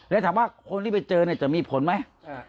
แล้วถามว่าคนที่ไปเจอเนี่ยจะมีผลไหม